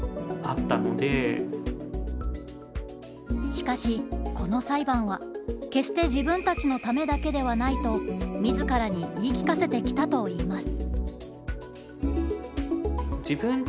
しかしこの裁判は決して自分たちのためだけではないと自らに言い聞かせてきたといいます。